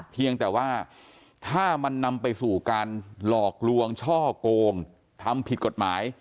เพียงแต่ว่าถ้ามันนำไปสู่การหลอกลวงช่อโกงทำผิดกฎหมาย